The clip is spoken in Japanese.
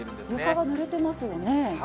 床がぬれていますよね。